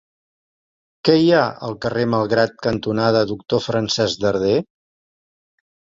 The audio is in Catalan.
Què hi ha al carrer Malgrat cantonada Doctor Francesc Darder?